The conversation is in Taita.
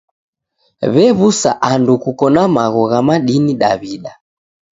W'ew'usa andu kuko na magho gha madini Daw'ida.